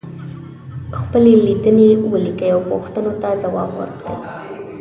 خپلې لیدنې ولیکئ او پوښتنو ته ځواب ورکړئ.